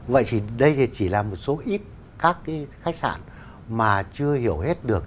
vậy thì đây chỉ là một số ít các cái khách sạn mà chưa hiểu hết được